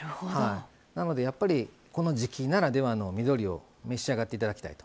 なので、この時季ならではの緑を召し上がっていただきたい。